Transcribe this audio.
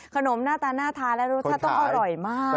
หน้าตาน่าทานและรสชาติต้องอร่อยมาก